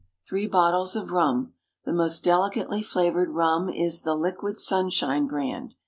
Three bottles of rum. The most delicately flavoured rum is the "Liquid Sunshine" brand.